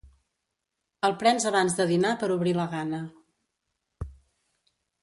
El prens abans de dinar per obrir la gana.